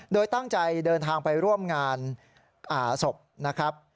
โดยตั้งใจเดินทางไปร่วมงานศพนะครับ